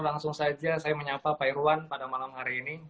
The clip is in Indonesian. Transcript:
langsung saja saya menyapa pak irwan pada malam hari ini